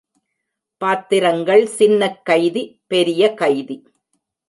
பாத்திரங்கள் சின்னக் கைதி, பெரிய கைதி.